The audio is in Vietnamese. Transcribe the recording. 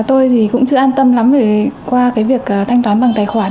tôi thì cũng chưa an tâm lắm qua cái việc thanh toán bằng tài khoản